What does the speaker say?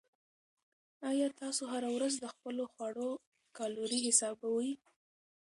آیا تاسو هره ورځ د خپلو خواړو کالوري حسابوئ؟